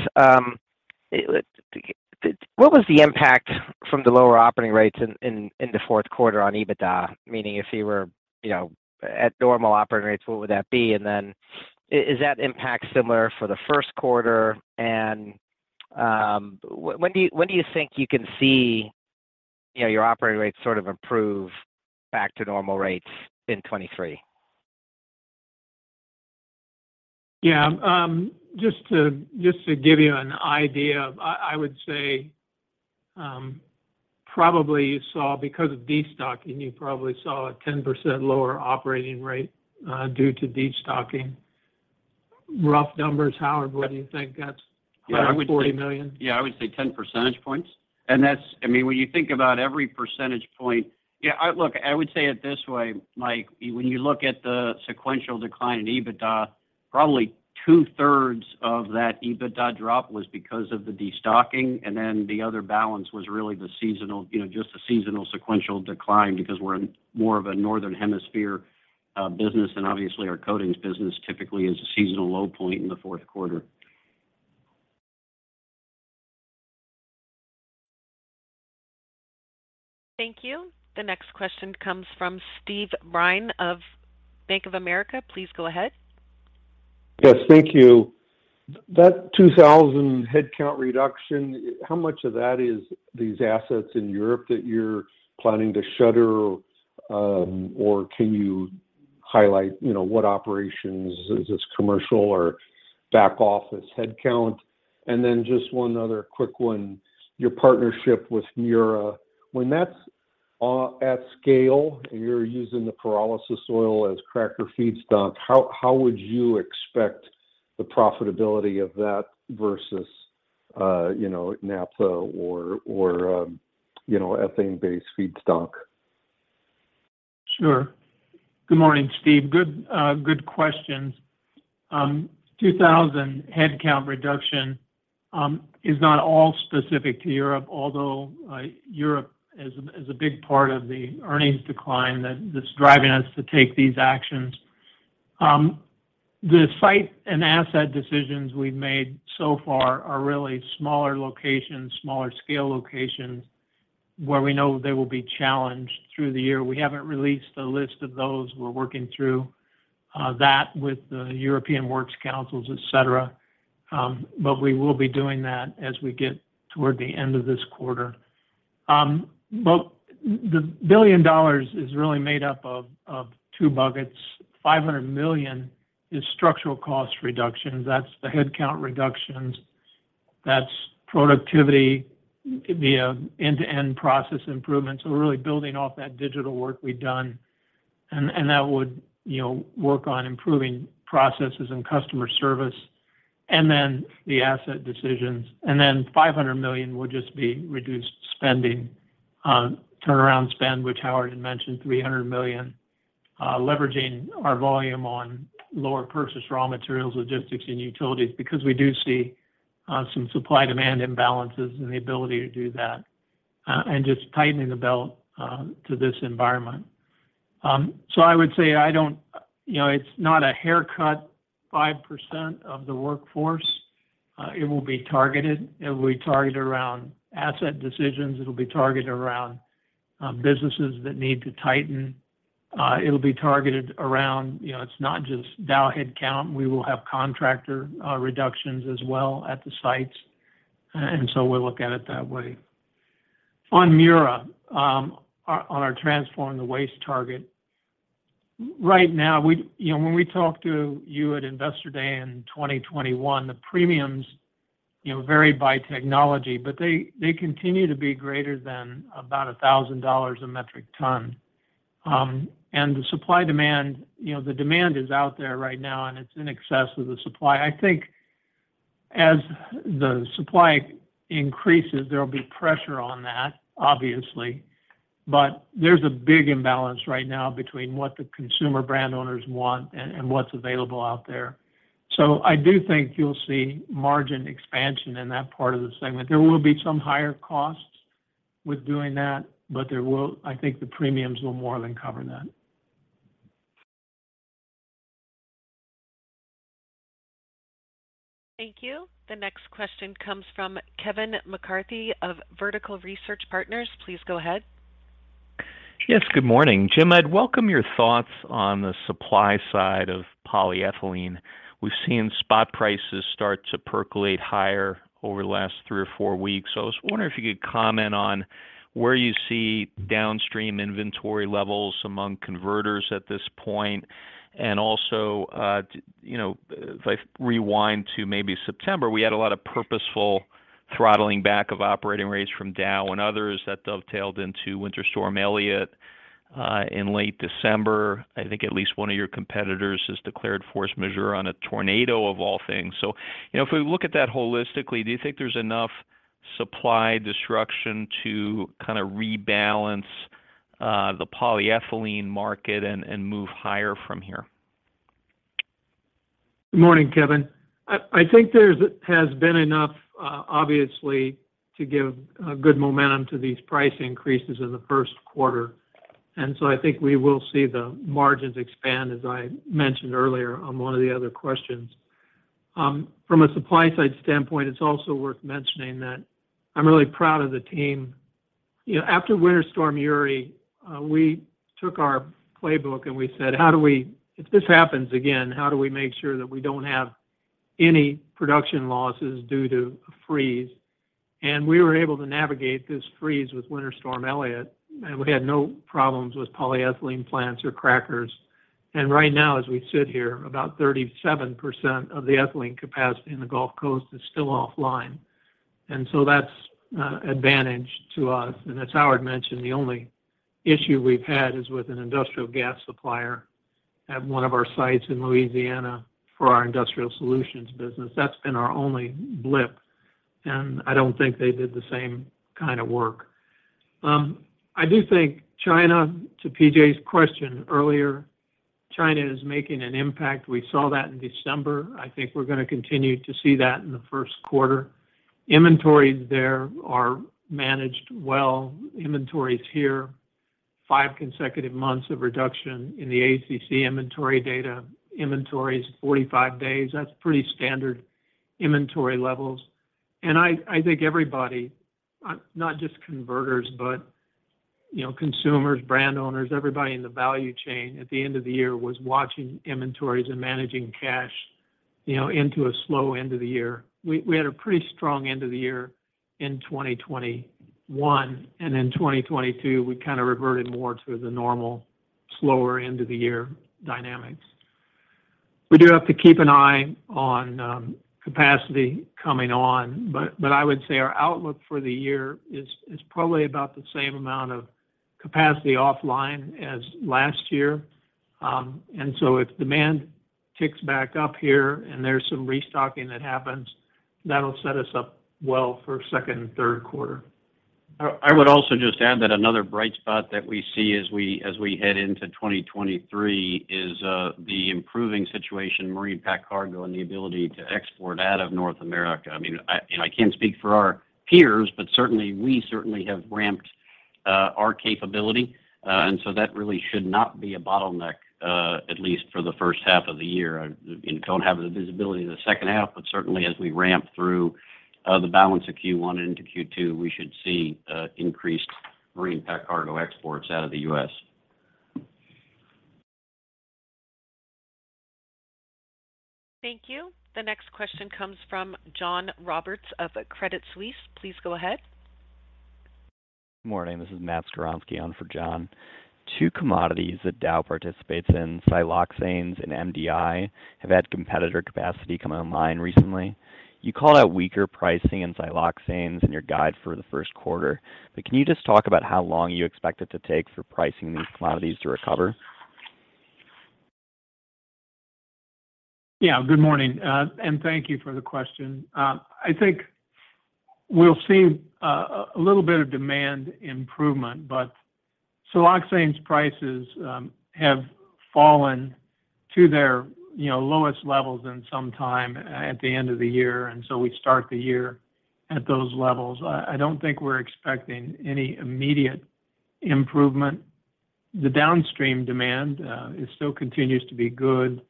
What was the impact from the lower operating rates in the fourth quarter on EBITDA? Meaning if you were, you know, at normal operating rates, what would that be? Is that impact similar for the first quarter? When do you think you can see, you know, your operating rates sort of improve back to normal rates in 2023? Yeah. Just to give you an idea, I would say, probably because of destocking, you probably saw a 10% lower operating rate due to destocking. Rough numbers, Howard, what do you think that's $40 million? Yeah, I would say 10 percentage points. I mean, when you think about every percentage point... Yeah, look, I would say it this way, Mike. When you look at the sequential decline in EBITDA, probably two-thirds of that EBITDA drop was because of the destocking, and then the other balance was really the seasonal, you know, just the seasonal sequential decline because we're in more of a Northern Hemisphere business, and obviously our coatings business typically is a seasonal low point in the fourth quarter. Thank you. The next question comes from Steve Byrne of Bank of America. Please go ahead. Yes, thank you. That 2,000 headcount reduction, how much of that is these assets in Europe that you're planning to shutter? Or can you highlight, you know, what operations? Is this commercial or back-office headcount? Just one other quick one. Your partnership with Mura, when that's at scale, you're using the pyrolysis oil as cracker feedstock. How would you expect the profitability of that versus, you know, naphtha or, you know, ethane-based feedstock? Sure. Good morning, Steve. Good questions. 2,000 headcount reduction is not all specific to Europe, although Europe is a big part of the earnings decline that is driving us to take these actions. The site and asset decisions we've made so far are really smaller locations, smaller scale locations where we know they will be challenged through the year. We haven't released a list of those. We're working through that with the European Works Councils, et cetera, but we will be doing that as we get toward the end of this quarter. The $1 billion is really made up of two buckets. $500 million is structural cost reductions. That's the headcount reductions. That's productivity via end-to-end process improvements. We're really building off that digital work we've done, and that would, you know, work on improving processes and customer service. Then the asset decisions. Then $500 million would just be reduced spending on turnaround spend, which Howard had mentioned, $300 million leveraging our volume on lower purchase raw materials, logistics, and utilities. We do see some supply-demand imbalances and the ability to do that and just tightening the belt to this environment. I would say I don't. You know, it's not a haircut, 5% of the workforce. It will be targeted. It will be targeted around asset decisions. It'll be targeted around businesses that need to tighten. It'll be targeted around, you know, it's not just Dow headcount. We will have contractor reductions as well at the sites. We'll look at it that way. On Mura Technology, on our transforming the waste target. Right now You know, when we talked to you at Investor Day in 2021, the premiums, you know, vary by technology, but they continue to be greater than about $1,000 a metric ton. The supply-demand, you know, the demand is out there right now, and it's in excess of the supply. I think as the supply increases, there will be pressure on that, obviously. There's a big imbalance right now between what the consumer brand owners want and what's available out there. I do think you'll see margin expansion in that part of the segment. There will be some higher costs with doing that, but I think the premiums will more than cover that. Thank you. The next question comes from Kevin McCarthy of Vertical Research Partners. Please go ahead. Yes. Good morning. Jim, I'd welcome your thoughts on the supply side of Polyethylene. We've seen spot prices start to percolate higher over the last three or four weeks. I was wondering if you could comment on where you see downstream inventory levels among converters at this point. You know, if I rewind to maybe September, we had a lot of purposeful throttling back of operating rates from Dow and others that dovetailed into Winter Storm Elliott in late December. I think at least one of your competitors has declared force majeure on a tornado of all things. You know, if we look at that holistically, do you think there's enough supply disruption to kinda rebalance the Polyethylene market and move higher from here? Good morning, Kevin. I think there's been enough obviously to give good momentum to these price increases in the first quarter. I think we will see the margins expand, as I mentioned earlier on one of the other questions. From a supply side standpoint, it's also worth mentioning that I'm really proud of the team. You know, after Winter Storm Uri, we took our playbook and we said, "If this happens again, how do we make sure that we don't have any production losses due to a freeze?" We were able to navigate this freeze with Winter Storm Elliott, and we had no problems with polyethylene plants or crackers. Right now, as we sit here, about 37% of the ethylene capacity in the Gulf Coast is still offline. That's advantage to us. As Howard mentioned, the only issue we've had is with an industrial gas supplier at one of our sites in Louisiana for our Industrial Solutions business. That's been our only blip, and I don't think they did the same kind of work. I do think China, to P.J.'s question earlier, China is making an impact. We saw that in December. I think we're gonna continue to see that in the first quarter. Inventories there are managed well. Inventories here. Five consecutive months of reduction in the ACC inventory data. Inventory is 45 days, that's pretty standard inventory levels. I think everybody, not just converters, but, you know, consumers, brand owners, everybody in the value chain at the end of the year was watching inventories and managing cash, you know, into a slow end of the year. We had a pretty strong end of the year in 2021. 2022, we kind of reverted more to the normal slower end of the year dynamics. We do have to keep an eye on capacity coming on, but I would say our outlook for the year is probably about the same amount of capacity offline as last year. If demand ticks back up here and there's some restocking that happens, that'll set us up well for second and third quarter. I would also just add that another bright spot that we see as we, as we head into 2023 is the improving situation marine packed cargo and the ability to export out of North America. I can't speak for our peers, certainly, we certainly have ramped our capability. That really should not be a bottleneck at least for the first half of the year. I, you know, don't have the visibility of the second half, certainly as we ramp through the balance of Q1 into Q2, we should see increased marine packed cargo exports out of the U.S. Thank you. The next question comes from John Roberts of Credit Suisse. Please go ahead. Good morning. This is Matt Skowronski on for John. Two commodities that Dow participates in, siloxanes and MDI, have had competitor capacity come online recently. You called out weaker pricing in siloxanes in your guide for the first quarter. Can you just talk about how long you expect it to take for pricing these commodities to recover? Good morning, and thank you for the question. I think we'll see a little bit of demand improvement, but siloxanes prices have fallen to their, you know, lowest levels in some time at the end of the year, and so we start the year at those levels. I don't think we're expecting any immediate improvement. The downstream demand, it still continues to be good.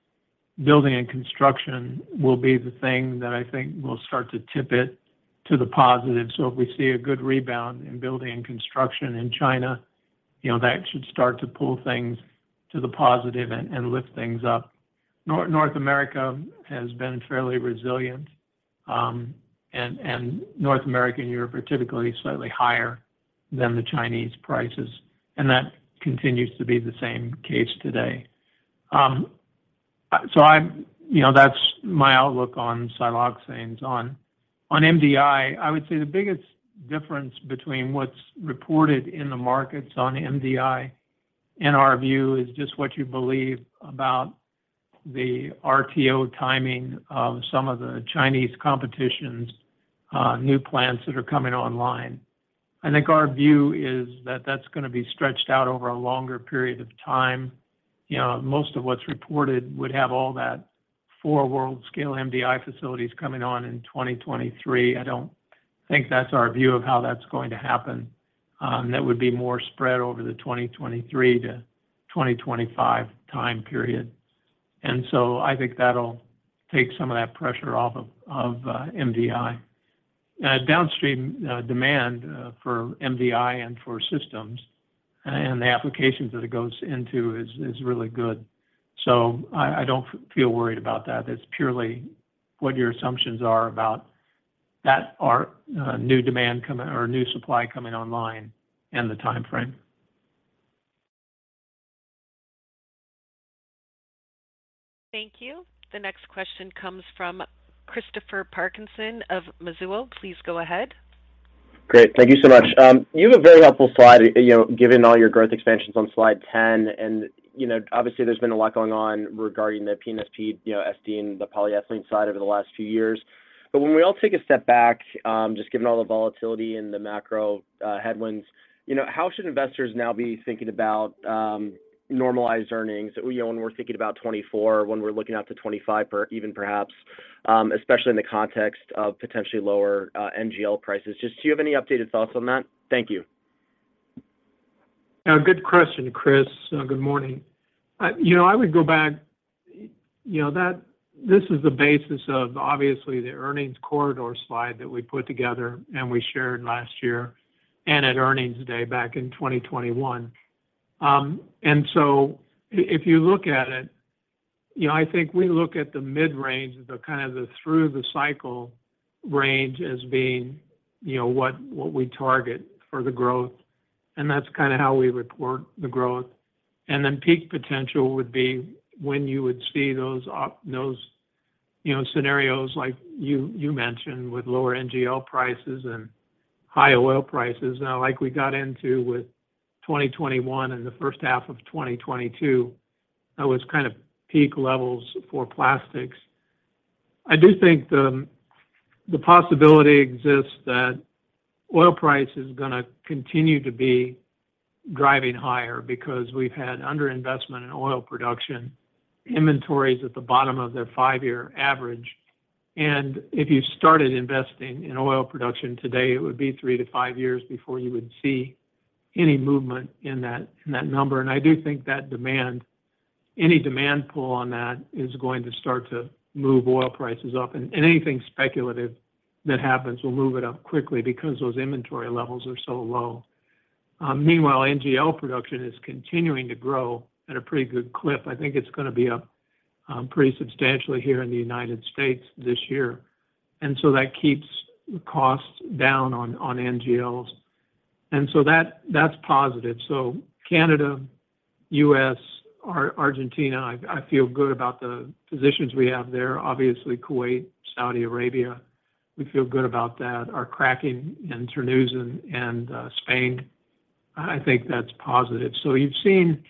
Building and construction will be the thing that I think will start to tip it to the positive. If we see a good rebound in building and construction in China, you know, that should start to pull things to the positive and lift things up. North America has been fairly resilient, and North America and Europe are typically slightly higher than the Chinese prices, and that continues to be the same case today. You know, that's my outlook on siloxanes. On MDI, I would say the biggest difference between what's reported in the markets on MDI, in our view, is just what you believe about the RTO timing of some of the Chinese competition's new plants that are coming online. I think our view is that that's gonna be stretched out over a longer period of time. You know, most of what's reported would have all that four world-scale MDI facilities coming on in 2023. I don't think that's our view of how that's going to happen. That would be more spread over the 2023-2025 time period. I think that'll take some of that pressure off of MDI. Downstream demand for MDI and for systems and the applications that it goes into is really good. I don't feel worried about that. It's purely what your assumptions are about that or a new demand coming or a new supply coming online and the timeframe. Thank you. The next question comes from Christopher Parkinson of Mizuho. Please go ahead. Great. Thank you so much. You have a very helpful slide, you know, given all your growth expansions on Slide 10, and, you know, obviously there's been a lot going on regarding the P&SP, and the Polyethylene side over the last few years. When we all take a step back, just given all the volatility and the macro headwinds, you know, how should investors now be thinking about normalized earnings? You know, when we're thinking about 2024, when we're looking out to 2025 or even perhaps, especially in the context of potentially lower NGLs prices. Just do you have any updated thoughts on that? Thank you. Yeah. Good question, Chris. Good morning. you know, I would go back, you know, that this is the basis of, obviously, the earnings corridor slide that we put together and we shared last year and at earnings day back in 2021. If you look at it, you know, I think we look at the mid-range as the kinda the through the cycle range as being, you know, what we target for the growth, and that's kinda how we report the growth. Peak potential would be when you would see those up, you know, scenarios like you mentioned with lower NGL prices and higher oil prices, like we got into with 2021 and the first half of 2022. That was kinda peak levels for plastics. I do think the possibility exists that oil price is gonna continue to be driving higher because we've had under-investment in oil production, inventories at the bottom of their five-year average. If you started investing in oil production today, it would be three to five years before you would see any movement in that, in that number. I do think that any demand pull on that is going to start to move oil prices up. Anything speculative that happens will move it up quickly because those inventory levels are so low. Meanwhile, NGL production is continuing to grow at a pretty good clip. I think it's gonna be up pretty substantially here in the United States this year. That keeps costs down on NGLs. That, that's positive. Canada, US, Argentina, I feel good about the positions we have there. Obviously, Kuwait, Saudi Arabia, we feel good about that. Our cracking in Terneuzen and Spain, I think that's positive. You've seen,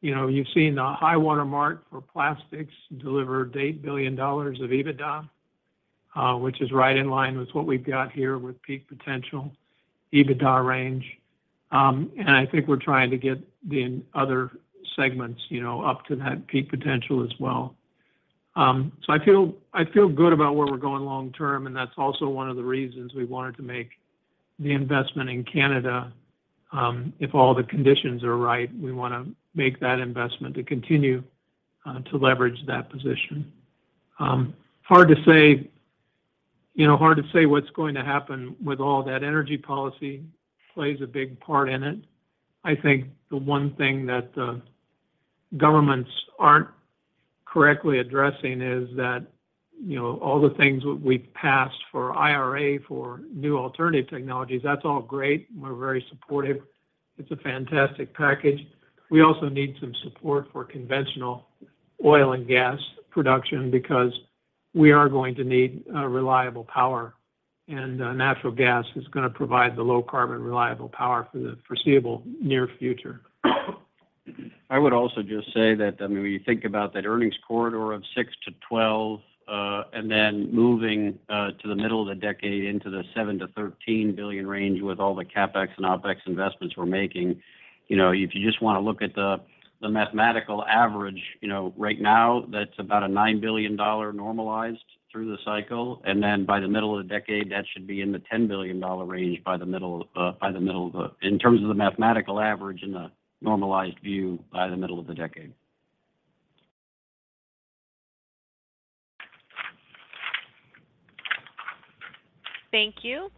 you know, you've seen the high-water mark for Plastics delivered $8 billion of EBITDA, which is right in line with what we've got here with peak potential EBITDA range. I think we're trying to get the other segments, you know, up to that peak potential as well. I feel good about where we're going long term, and that's also one of the reasons we wanted to make the investment in Canada. If all the conditions are right, we wanna make that investment to continue to leverage that position. Hard to say, you know, hard to say what's going to happen with all that energy policy, plays a big part in it. I think the one thing that the governments aren't correctly addressing is that, you know, all the things we've passed for IRA, for new alternative technologies, that's all great. We're very supportive. It's a fantastic package. We also need some support for conventional oil and gas production because we are going to need reliable power, and natural gas is gonna provide the low carbon reliable power for the foreseeable near future. I would also just say that, I mean, when you think about that earnings corridor of $6 billion-$12 billion, and then moving to the middle of the decade into the $7 billion-$13 billion range with all the CapEx and OpEx investments we're making, you know, if you just wanna look at the mathematical average, you know, right now, that's about a $9 billion normalized through the cycle. Then by the middle of the decade, that should be in the $10 billion range in terms of the mathematical average in the normalized view by the middle of the decade. Thank you.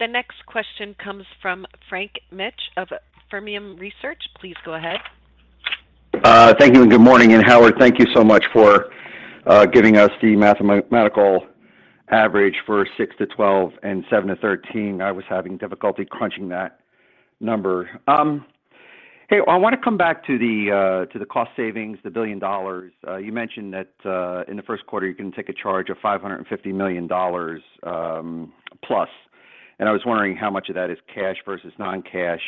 The next question comes from Frank Mitsch of Fermium Research. Please go ahead. Thank you and good morning. Howard, thank you so much for giving us the mathematical average for $6 billion-12 billion and $7 billion-13 billion. I was having difficulty crunching that number. Hey, I wanna come back to the cost savings, the $1 billion. You mentioned that in the first quarter, you're gonna take a charge of $550 million+. I was wondering how much of that is cash versus non-cash.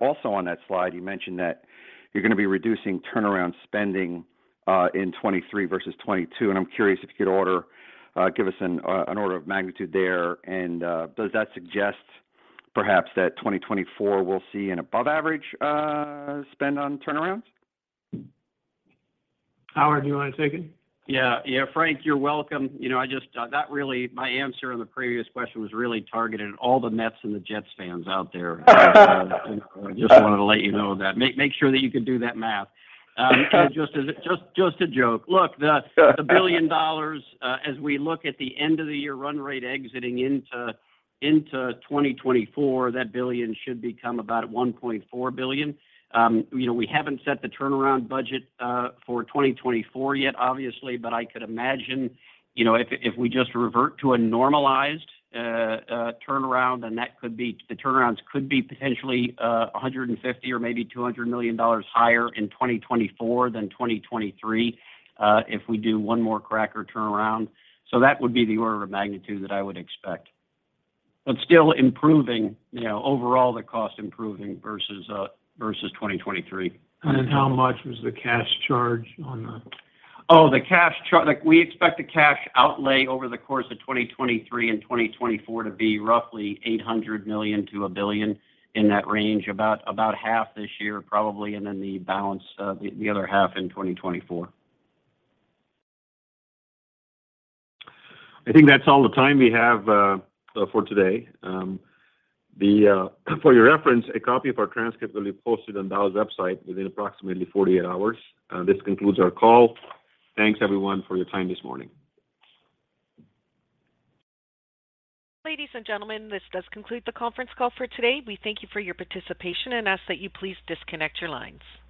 Also on that slide, you mentioned that you're gonna be reducing turnaround spending in 2023 versus 2022, and I'm curious if you could order, give us an order of magnitude there. Does that suggest perhaps that 2024 will see an above average spend on turnarounds? Howard, do you wanna take it? Frank, you're welcome. You know, my answer on the previous question was really targeted at all the Mets and the Jets fans out there. You know, I just wanted to let you know that. Make sure that you can do that math. Look, the $1 billion, as we look at the end of the year run rate exiting into 2024, that $1 billion should become about $1.4 billion. You know, we haven't set the turnaround budget for 2024 yet, obviously. I could imagine, you know, if we just revert to a normalized turnaround, the turnarounds could be potentially $150 million or maybe $200 million higher in 2024 than 2023, if we do one more cracker turnaround. That would be the order of magnitude that I would expect. Still improving, you know, overall the cost improving versus 2023. Then how much was the cash charge on the... Oh, the cash like, we expect the cash outlay over the course of 2023 and 2024 to be roughly $800 million-$1 billion in that range. About half this year, probably, the balance, the other half in 2024. I think that's all the time we have for today. The for your reference, a copy of our transcript will be posted on Dow's website within approximately 48 hours. This concludes our call. Thanks everyone for your time this morning. Ladies and gentlemen, this does conclude the conference call for today. We thank you for your participation and ask that you please disconnect your lines.